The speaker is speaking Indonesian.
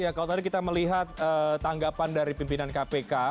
ya kalau tadi kita melihat tanggapan dari pimpinan kpk